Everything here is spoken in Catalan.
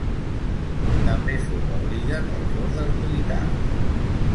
També fou el líder dels ordes militars.